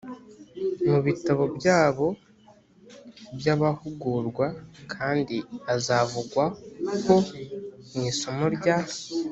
mu bitabo byabo by abahugurwa kandi azavugwaho mu isomo rya